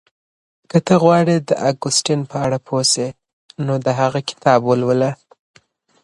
که ته غواړې د اګوستين په اړه پوه شې نو د هغه کتاب ولوله.